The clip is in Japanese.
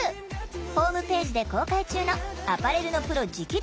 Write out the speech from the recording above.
ホームページで公開中の「アパレルのプロ直伝！